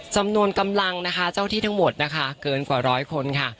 จำนวนกำลังนะคะเจ้าที่ทั้งหมดนะคะเกินกว่าร้อยคนค่ะ